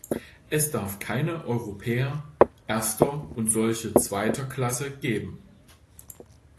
Es darf keine Europäer erster und solche zweiter Klasse geben.